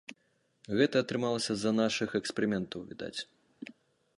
Гэта атрымалася з-за нашых эксперыментаў, відаць.